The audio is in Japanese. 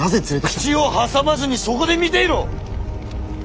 口を挟まずにそこで見ていろ！